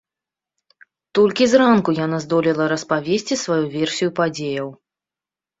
Толькі зранку яна здолела распавесці сваю версію падзеяў.